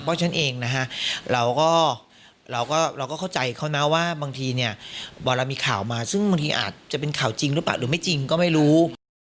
เพราะฉะนั้นเองนะฮะเราก็เราก็เข้าใจเขานะว่าบางทีเนี่ยพอเรามีข่าวมาซึ่งบางทีอาจจะเป็นข่าวจริงหรือเปล่าหรือไม่จริงก็ไม่รู้